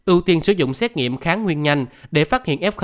ưu tiên sử dụng xét nghiệm kháng nguyên nhanh để phát hiện f một